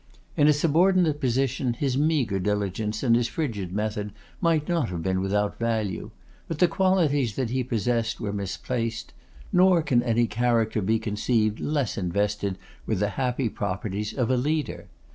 In a subordinate position his meagre diligence and his frigid method might not have been without value; but the qualities that he possessed were misplaced; nor can any character be conceived less invested with the happy properties of a leader.